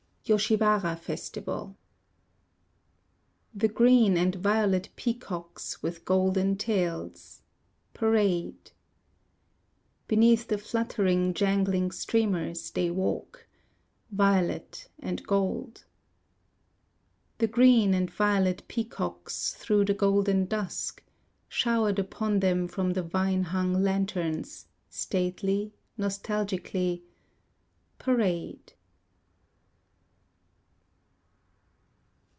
Yoshiwara Festival The green and violet peacocks With golden tails Parade. Beneath the fluttering jangling streamers They walk Violet and gold. The green and violet peacocks Through the golden dusk Showered upon them from the vine hung lanterns, Stately, nostalgically, Parade.